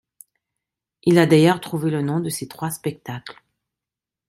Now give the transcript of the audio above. Il a d’ailleurs trouvé le nom de ces trois spectacles.